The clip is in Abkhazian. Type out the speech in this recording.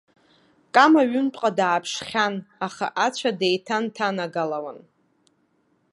Кама ҩынтәҟа дааԥшхьан, аха ацәа деиҭанҭанагалауан.